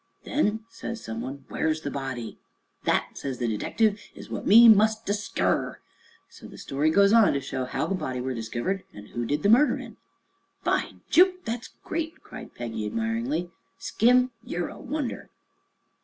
'Then,' says some one, 'where's the body?' 'That,' says the detective, 'is what we mus' diskiver.' So the story goes on to show how the body were diskivered an' who did the murderin'." "By Jupe, thet's great!" cried Peggy admiringly. "Skim, ye're a wonder!"